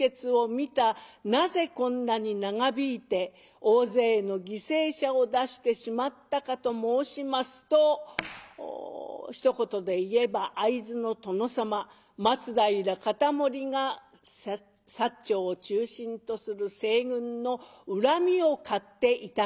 なぜこんなに長引いて大勢の犠牲者を出してしまったかと申しますとひと言で言えば会津の殿様松平容保が長を中心とする西軍の恨みを買っていたから。